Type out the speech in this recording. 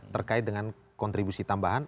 terkait dengan kontribusi tambahan